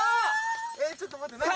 ちょっと待って何？